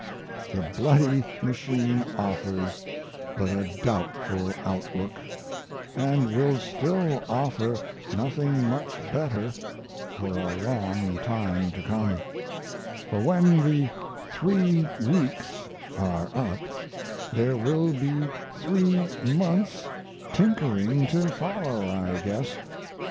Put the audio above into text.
The bloody machine offers but a doubtful outlook & will still offer nothing much better for a long time to come; for when the "three weeks" are up, there will be three months' tinkering to follow, I guess.